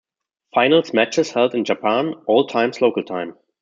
Finals matches held in Japan, all times local time.